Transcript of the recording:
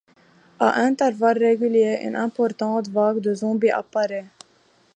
À intervalles réguliers, une importante vague de zombies apparaît.